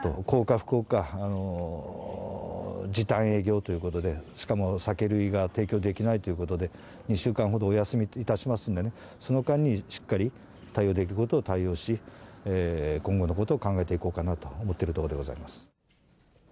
幸か不幸か、時短営業ということで、しかも酒類が提供できないということで、２週間ほどお休みいたしますんでね、その間にしっかり対応できることを対応し、今後のことを考えていこうかなと思っているところでございます。